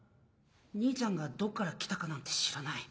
兄ちゃんがどっから来たかなんて知らない。